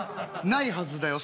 ないはずだよ